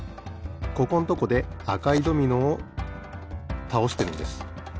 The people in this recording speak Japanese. ここんとこであかいドミノをたおしてるんです。